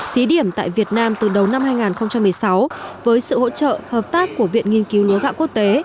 thí điểm tại việt nam từ đầu năm hai nghìn một mươi sáu với sự hỗ trợ hợp tác của viện nghiên cứu lúa gạo quốc tế